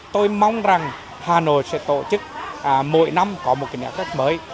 tôi mong rằng hà nội sẽ tổ chức mỗi năm có một cái đẹp rất mới